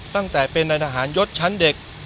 ตั้งแต่เป็นนายทหารยศชั้นเด็ก